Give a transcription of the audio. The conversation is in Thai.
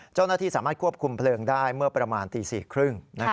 เจ้าหน้าที่สามารถควบคุมเพลิงได้เมื่อประมาณตี๔๓๐